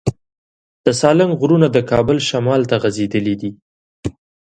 د سالنګ غرونه د کابل شمال ته غځېدلي دي.